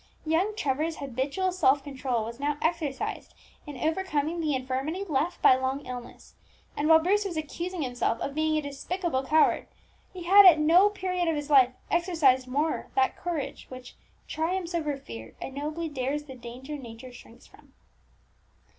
Young Trevor's habitual self control was now exercised in overcoming the infirmity left by long illness; and while Bruce was accusing himself of being a despicable coward, he had at no period of his life exercised more that courage which "Triumphs over fear, And nobly dares the danger nature shrinks from."